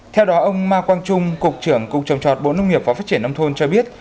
theo đó ông ma quang trung cục trưởng cục trồng trọt bộ nông nghiệp và phát triển nông thôn cho biết